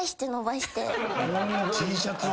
Ｔシャツを？